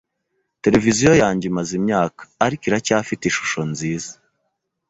Televiziyo yanjye imaze imyaka , ariko iracyafite ishusho nziza.